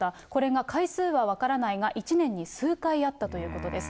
これが回数は分からないが、１年に数回あったということです。